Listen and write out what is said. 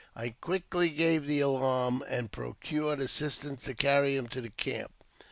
I quickly gave the alarm, and procured assistance to carry him to the camp.